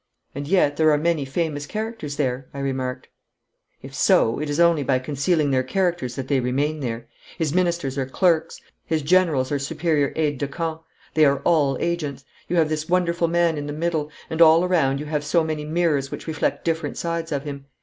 'And yet there are many famous characters there,' I remarked. 'If so, it is only by concealing their characters that they remain there. His ministers are clerks, his generals are superior aides de camp. They are all agents. You have this wonderful man in the middle, and all around you have so many mirrors which reflect different sides of him.